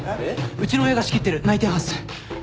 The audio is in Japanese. うちの親が仕切ってる内偵班っす。